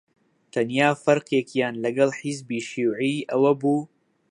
تەنیا فەرقێکیان لەگەڵ حیزبی شیووعی ئەوە بوو: